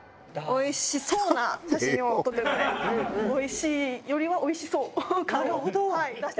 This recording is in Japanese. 「おいしい」よりは「おいしそう」。